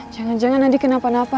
jangan jangan nanti kenapa napa lagi